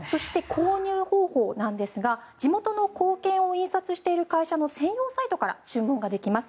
購入方法なんですが地元の硬券を印刷している会社の専用サイトから注文ができます。